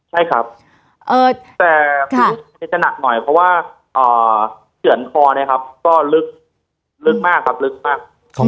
ใช่ครับแต่จะหนักหน่อยเพราะว่าเขื่อนคอเนี่ยครับก็ลึกมากครับลึกมาก